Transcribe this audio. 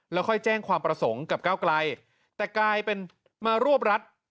แล้วค่อยแจ้งความประสงค์กับก้าวไกลแต่กลายเป็นมารวบรัฐ